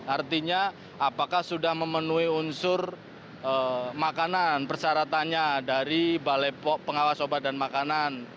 artinya apakah sudah memenuhi unsur makanan persyaratannya dari balai pengawas obat dan makanan